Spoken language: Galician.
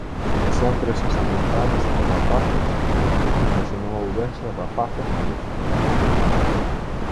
E sempre esas amizades cos rapaces, como se non houbese rapazas na vecindade.